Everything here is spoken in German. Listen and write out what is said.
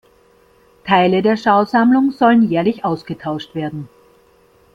Teile der Schausammlung sollen jährlich ausgetauscht werden.